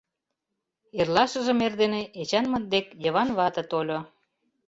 Эрлашыжым эрдене Эчанмыт дек Йыван вате тольо.